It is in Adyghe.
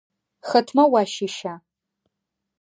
Хэтмэ уащыща?